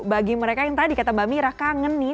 bagi mereka yang tadi kata mbak mira kangen nih